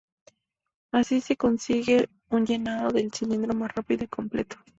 Así se consigue un llenado del cilindro más rápido y completo.